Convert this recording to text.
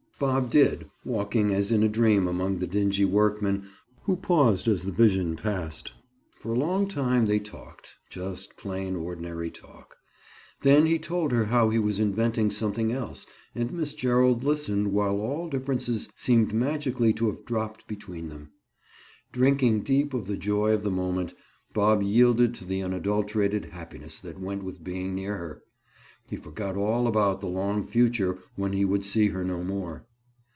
Bob did, walking as in a dream among the dingy workmen who paused as the vision passed. For a long time they talked—just plain ordinary talk. Then he told her how he was inventing something else and Miss Gerald listened while all differences seemed magically to have dropped between them. Drinking deep of the joy of the moment, Bob yielded to the unadulterated happiness that went with being near her. He forgot all about the long future when he would see her no more.